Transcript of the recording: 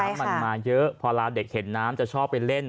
มาเยอะพอลาเด็กเห็นน้ำจะชอบไปเล่น